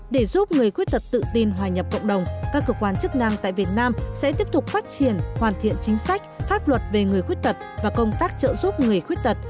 để giúp người khuyết tật tự tin hòa nhập cộng đồng các cơ quan chức năng tại việt nam sẽ tiếp tục phát triển hoàn thiện chính sách pháp luật về người khuyết tật và công tác trợ giúp người khuyết tật